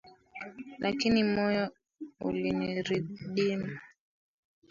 lakini moyo ulinirindima,